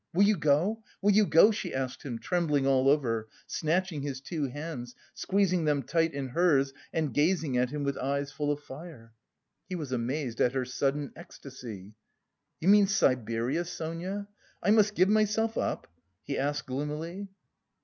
Will you go, will you go?" she asked him, trembling all over, snatching his two hands, squeezing them tight in hers and gazing at him with eyes full of fire. He was amazed at her sudden ecstasy. "You mean Siberia, Sonia? I must give myself up?" he asked gloomily.